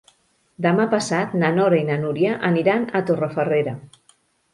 Demà passat na Nora i na Núria aniran a Torrefarrera.